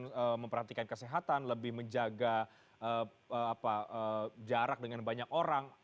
lebih memperhatikan kesehatan lebih menjaga jarak dengan banyak orang